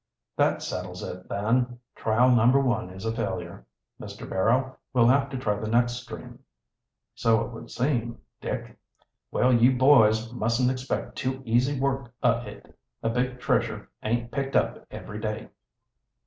"That settles it, then. Trial No. 1 is a failure. Mr. Barrow, we'll have to try the next stream." "So it would seem, Dick. Well, you boys mustn't expect too easy work o' it. A big treasure aint picked up every day."